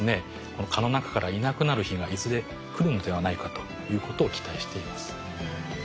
この蚊の中からいなくなる日がいずれ来るのではないかということを期待しています。